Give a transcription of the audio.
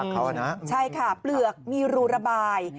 เขานะใช่ค่ะเปลือกมีรูระบาย